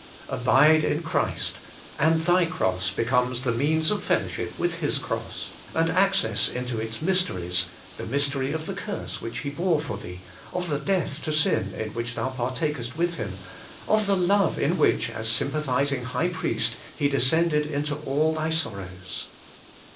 Abide in Christ: and thy cross becomes the means of fellow ship with His cross, and access into its mysteries, — the mystery of the curse which He bore for thee, of the death to sin in which thou partakest with Him, of the love in which, as sympathizing High Priest, He descended into all thy sorrows.